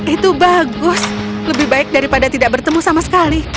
itu bagus lebih baik daripada tidak bertemu sama sekali